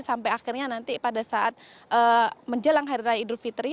sampai akhirnya nanti pada saat menjelang hari raya idul fitri